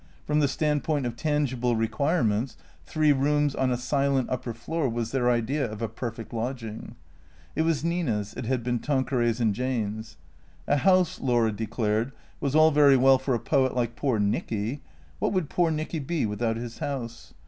From the standpoint of tangible requirements, three rooms on a silent upper floor was their idea of a perfect lodging. It was Nina's, it had been Tanqueray's and Jane's. A house, Laura declared, was all very well for a poet like poor Nicky (what would poor Nicky be without his house?)